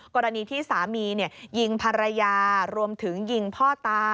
กรณีที่สามียิงภรรยารวมถึงยิงพ่อตา